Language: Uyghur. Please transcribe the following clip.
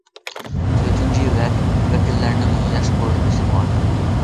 تۆتىنچى، ۋەكىللەرنىڭ ياش قۇرۇلمىسى مۇۋاپىق.